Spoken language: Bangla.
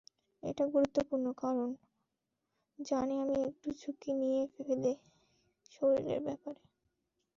এটা গুরুত্বপূর্ণ, কারণ জানি আমি একটু ঝুঁকি নিয়ে ফেলি শরীরের ব্যাপারে।